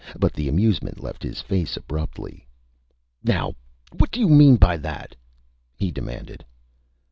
But the amusement left his face abruptly. "Now ... what do you mean by that?" he demanded.